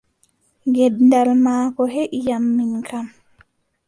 Gendal maako heʼi am min kam!